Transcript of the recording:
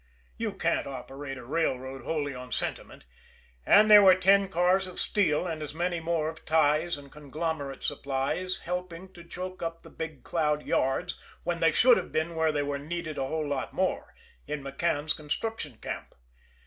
You can't operate a railroad wholly on sentiment and there were ten cars of steel and as many more of ties and conglomerate supplies helping to choke up the Big Cloud yards when they should have been where they were needed a whole lot more in McCann's construction camp.